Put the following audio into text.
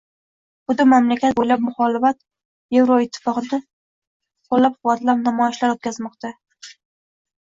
Butun mamlakat bo‘ylab muxolifat Yevroittifoqni qo‘llab-quvvatlab namoyishlar o‘tkazmoqda